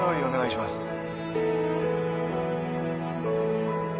お願いします。